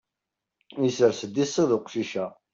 Isers-d iṣiḍ uqcic-a.